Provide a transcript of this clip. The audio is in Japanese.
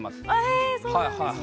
えそうなんですね。